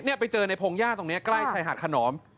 นี่ไปเจอในพงย่าตรงนี้ใกล้ชายหาดคนนอม